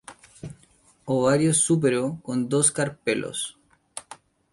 Ovario súpero con dos carpelos.